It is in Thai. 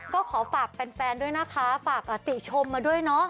ก็ขอฝากแฟนด้วยนะคะฝากติชมมาด้วยเนาะ